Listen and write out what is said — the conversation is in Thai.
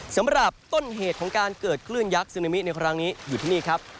สำหรับต้นเหตุของการเกิดคลื่นยักษ์ซึนามิในครั้งนี้อยู่ที่นี่ครับ